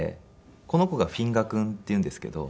この子がＦｉＮＧＡ君っていうんですけど。